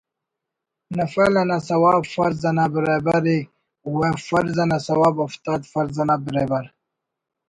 نفل انا ثواب فرض انا بریبر ءِ و فرض انا ثواب ہفتاد فرض نا بریبر